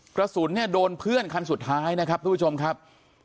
กระสุนเนี่ยโดนเพื่อนคันสุดท้ายนะครับทุกผู้ชมครับ